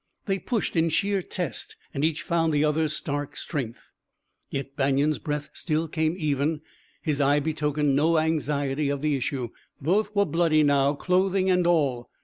They pushed in sheer test, and each found the other's stark strength. Yet Banion's breath still came even, his eye betokened no anxiety of the issue. Both were bloody now, clothing and all.